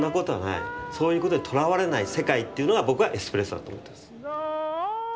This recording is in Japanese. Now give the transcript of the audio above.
そういうことにとらわれない世界というのが僕はエスプレッソだと思ってます。